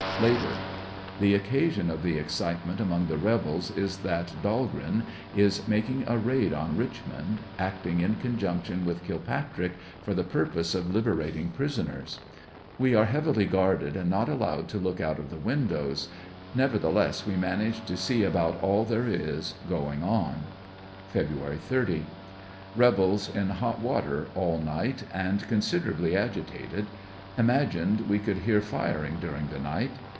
Later: The occasion of the excitement among the rebels is that Dahlgreen is making a raid on Richmond, acting in conjunction w^ith Kilpatrick, for the purpose of liberating prisoners. We are heavily guarded and not allowed to look out of the windows, nev ertheless we manage to see about all there is going on. Feb. 30. — Rebels in hot water all night and considerably agita ted. Imagined we could hear firing during the night.